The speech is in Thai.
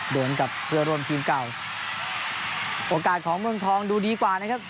โดนกับเพื่อร่วมทีมเก่าโอกาสของเมืองทองดูดีกว่านะครับ